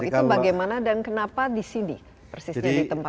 itu bagaimana dan kenapa di sini persisnya ditempatkan